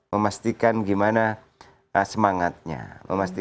memastikan gimana semangatnya